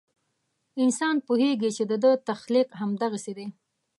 انسان پوهېږي چې د ده تخلیق همدغسې دی.